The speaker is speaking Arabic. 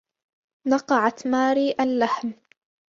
نقعت ماري اللحم.